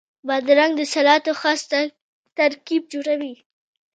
بادرنګ د سلاتو خاص ترکیب جوړوي.